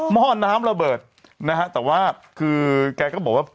หม้อน้ำระเบิดนะครับ